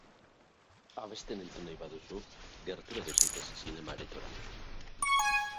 Abesten entzun nahi baduzu, gerturatu zaitez zinema-aretora.